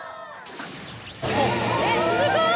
えっすごい！